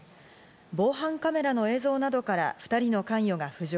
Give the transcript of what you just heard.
防犯カメラの映像などから２人の関与が浮上。